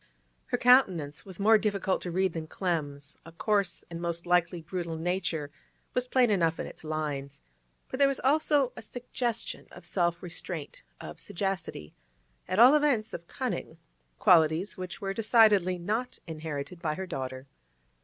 Her countenance was more difficult to read than Clem's; a coarse, and most likely brutal, nature was plain enough in its lines, but there was also a suggestion of self restraint, of sagacity, at all events of cunning—qualities which were decidedly not inherited by her daughter.